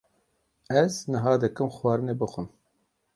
Ez niha dikim xwarinê bixwim.